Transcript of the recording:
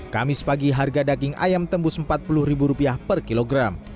kamis pagi harga daging ayam tembus rp empat puluh per kilogram